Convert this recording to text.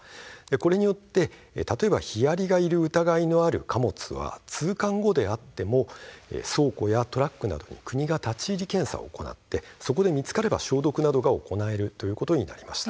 これによってヒアリがいる疑いのある貨物は通関を通ったあとでも倉庫やトラックなどへ国が立ち入り検査を行ってもし見つかれば消毒などが行えることになりました。